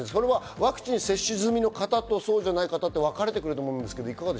ワクチン接種済みの方とそうじゃない方と分かれてくると思うんですけど。